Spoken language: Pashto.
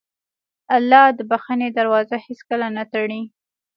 الله د بښنې دروازه هېڅکله نه تړي.